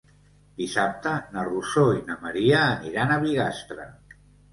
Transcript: Dissabte na Rosó i na Maria aniran a Bigastre.